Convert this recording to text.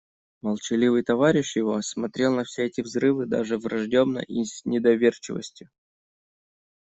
Молчаливый товарищ его смотрел на все эти взрывы даже враждебно и с недоверчивостью.